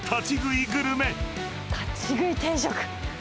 立ち食い定食。